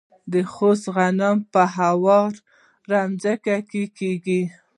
د خوست غنم په هواره ځمکه کیږي.